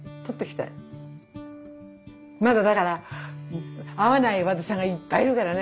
まだだから会わない和田さんがいっぱいいるからね